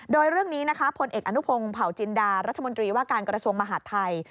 โดยเรื่องนี้นะคะพลเอกอนุพงศ์เผาจินดารัฐมนตรีว่าการกระทรวงมหาดไทย